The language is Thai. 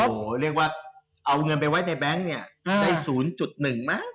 โอ้โหเรียกว่าเอาเงินไปไว้ในแบงค์เนี่ยได้๐๑มั้ง